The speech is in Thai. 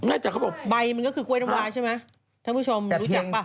ไม่แต่เขาบอกใบมันก็คือกล้วยน้ำวาใช่ไหมท่านผู้ชมรู้จักป่ะ